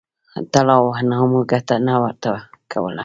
طلاوو او انعامونو ګټه نه ورته کوله.